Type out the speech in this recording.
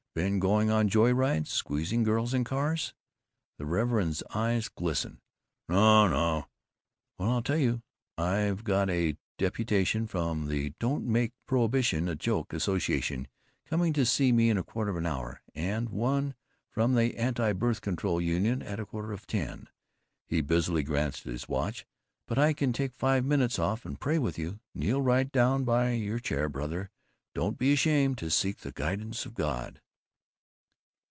Been going on joy rides? Squeezing girls in cars?" The reverend eyes glistened. "No no " "Well, I'll tell you. I've got a deputation from the Don't Make Prohibition a Joke Association coming to see me in a quarter of an hour, and one from the Anti Birth Control Union at a quarter of ten." He busily glanced at his watch. "But I can take five minutes off and pray with you. Kneel right down by your chair, brother. Don't be ashamed to seek the guidance of God."